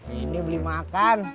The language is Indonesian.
ini beli makan